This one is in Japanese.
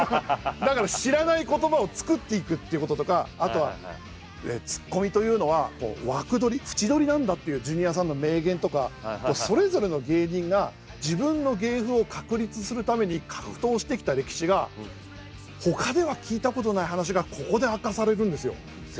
だから知らない言葉を作っていくっていうこととかあとはツッコミというのは枠どり「縁どり」なんだっていうジュニアさんの名言とかそれぞれの芸人が自分の芸風を確立するために格闘してきた歴史がほかでは聞いたことない話がここで明かされるんですよ。